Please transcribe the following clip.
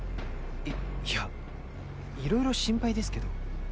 いいやいろいろ心配ですけど。